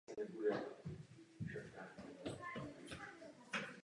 Rovněž studoval právo na Petrohradské státní univerzitě.